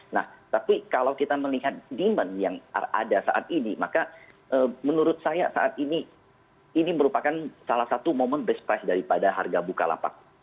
nah tapi kalau kita melihat demand yang ada saat ini maka menurut saya saat ini ini merupakan salah satu momen best price daripada harga bukalapak